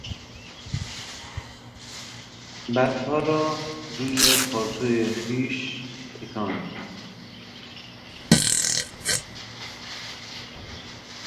برفها را از روی پالتوی خویش تکاند.